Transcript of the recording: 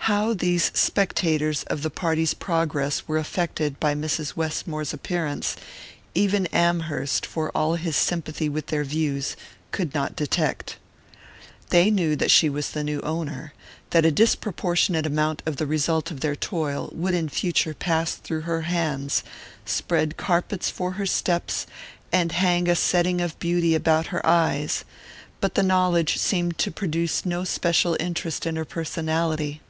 How these spectators of the party's progress were affected by Mrs. Westmore's appearance, even Amherst, for all his sympathy with their views, could not detect. They knew that she was the new owner, that a disproportionate amount of the result of their toil would in future pass through her hands, spread carpets for her steps, and hang a setting of beauty about her eyes; but the knowledge seemed to produce no special interest in her personality.